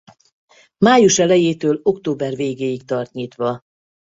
Május elejétől október végéig tart nyitva.